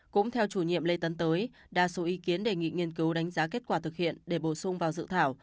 cũng theo chủ nhiệm lê tấn tới đa số ý kiến đề nghị nghiên cứu đánh giá kết quả thực hiện để bổ sung vào dự thảo